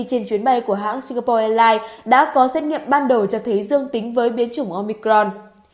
trên chuyến bay của hãng singapore airlines đã có xét nghiệm ban đầu cho thấy dương tính với biến chủng omicron